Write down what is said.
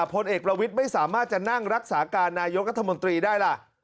พลเอกประวิทย์ไม่สามารถจะนั่งรักษาการนายกรัฐมนตรีได้ล่ะ